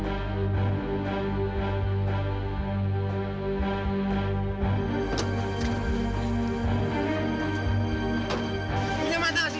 punya mata gak sih